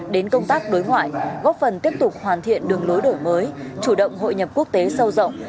đến công tác đối ngoại góp phần tiếp tục hoàn thiện đường lối đổi mới chủ động hội nhập quốc tế sâu rộng